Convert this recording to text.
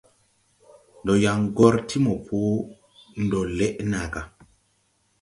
Ndɔ yaŋ gɔr ti mopo ndɔ lɛʼ nàa gà.